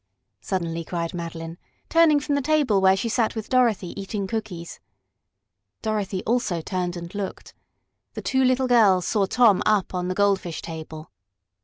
suddenly cried Madeline, turning from the table where she sat with Dorothy eating cookies. Dorothy also turned and looked. The two little girls saw Tom up on the goldfish table.